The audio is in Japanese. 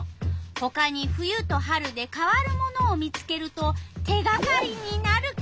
ほかに冬と春で変わるものを見つけると手がかりになるカモ。